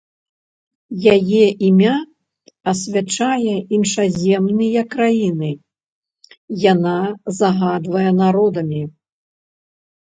Яе імя асвячае іншаземныя краіны, яна загадвае народамі.